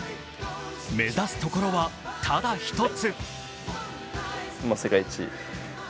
目指すところは、ただ一つ。